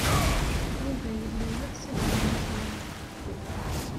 Yuba yella yeɣs ad d-yini kra.